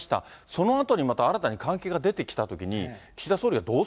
そのあとにまた新たに関係が出てきたときに、そうですね。